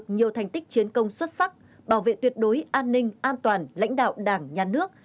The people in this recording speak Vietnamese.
nhiều thành tích chiến công xuất sắc bảo vệ tuyệt đối an ninh an toàn lãnh đạo đảng nhà nước